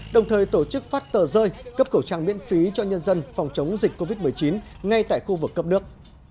đồng thời tổ chức phát tờ rơi cấp cổ trang miễn phí cho nhân dân phòng chống dịch covid một mươi chín ngay tại khu vực cấp nước